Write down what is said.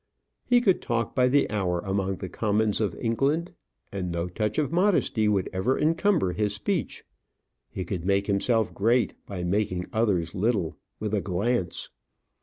He could talk by the hour among the Commons of England, and no touch of modesty would ever encumber his speech. He could make himself great, by making others little, with a glance.